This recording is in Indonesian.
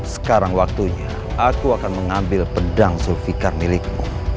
sekarang waktunya aku akan mengambil pedang sulfikar milikmu